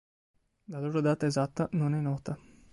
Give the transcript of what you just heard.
La loro data esatta non è nota.